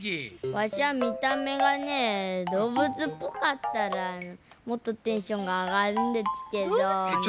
ワシはみためがねどうぶつっぽかったらもっとテンションがあがるんですけどね。